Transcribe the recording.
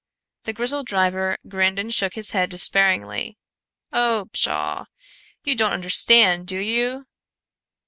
The grizzled driver grinned and shook his head despairingly. "Oh, pshaw! You don't understand, do you?